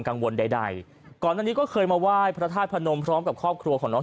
ใดใดก่อนอันนี้ก็เคยมาไหว้พระธาตุพนมพร้อมกับครอบครัวของน้อง